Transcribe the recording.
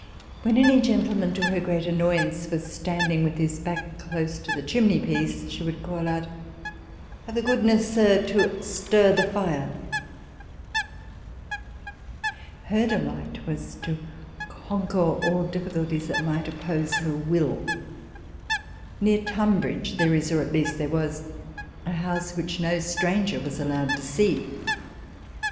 When any gentleman, to her great annoyance, was standing with his back close to the chimney piece, she would call out, " Have the goodness, sir, to stir the fire !" Her delight was to conquer all difficulties that might oppose her will. Near Tunbridge there is (at least, there was) a house which no stranger was allowed to see.